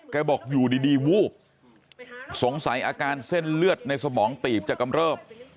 บอกอยู่ดีวูบสงสัยอาการเส้นเลือดในสมองตีบจะกำเริบ